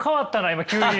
今急に。